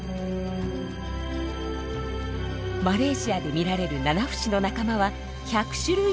マレーシアで見られるナナフシの仲間は１００種類以上。